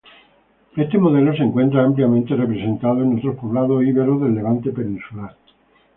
Este modelo se encuentra ampliamente representado en otros poblados iberos del levante peninsular.